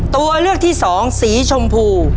ตัวเลือกที่สองสีชมพู